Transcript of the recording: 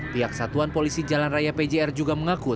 pihak satuan polisi jalan raya pjr juga mengaku